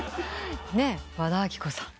和田アキ子さん。